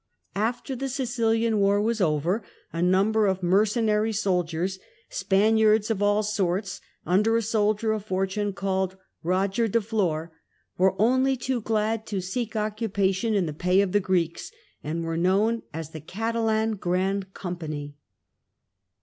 After the Sicilian war was over, a number of mercenary soldiers, Spaniards of all sorts, under a soldier of fortune called Roger de Flor, were only too glad to seek occupation in the pay of the Greeks, and were known as the Catalan Grand Company.